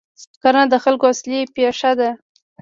کرنه د خلکو اصلي پیشه ده.